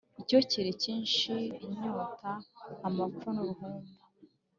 icyokere cyinshi, inkota, amapfa n’uruhumbu,